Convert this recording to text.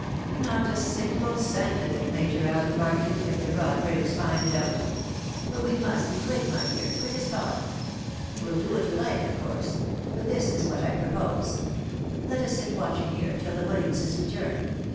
" Not a single cent of it. Major Allen Barnaby, if the broad brims find it out. But we must be quick, my dear, quick as thought. You will do what you like, of course ; but this is what I should propose. Let us sit watching here till the WiUiamses return.